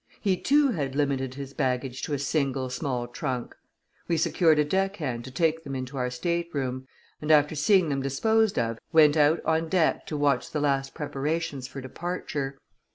He, too, had limited his baggage to a single small trunk. We secured a deck hand to take them into our stateroom, and, after seeing them disposed of, went out on deck to watch the last preparations for departure.